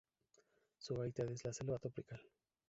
Su hábitat es la selva tropical.